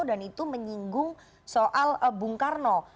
dan itu menyinggung soal bung karno